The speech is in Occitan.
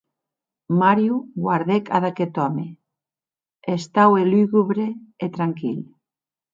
Mario guardèc ad aqueth òme; estaue lugubre e tranquil.